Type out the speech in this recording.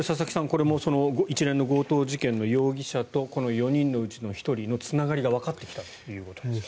これも一連の強盗事件の容疑者と４人のうちの１人とのつながりがわかってきたということですね。